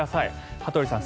羽鳥さん